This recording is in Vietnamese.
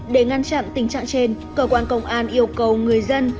để ngăn chặn tình trạng trên cơ quan công an yêu cầu người dân